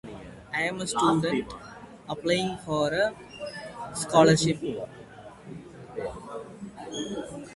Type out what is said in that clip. The character then starred in the lead feature of Toxic!